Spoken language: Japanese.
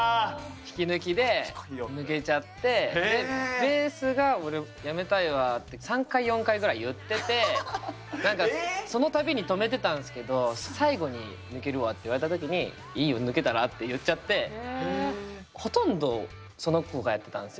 引き抜きで抜けちゃってでベースが「俺辞めたいわ」って３回４回ぐらい言ってて何かその度に止めてたんすけど最後に「抜けるわ」って言われた時に「いいよ抜けたら」って言っちゃってほとんどその子がやってたんすよ。